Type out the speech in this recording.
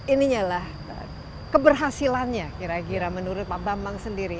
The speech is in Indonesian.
ininya lah keberhasilannya kira kira menurut pak bambang sendiri